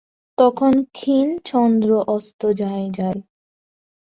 তখন ক্ষীণ চন্দ্র অস্ত যায় যায়।